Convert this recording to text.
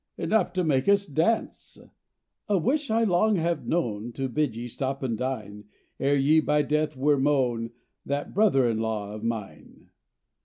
Enough to make us dance! "'A wish I long have known To bid ye stop and dine, Ere ye by Death were mown, That brother in law of mine.